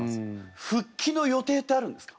復帰の予定ってあるんですか？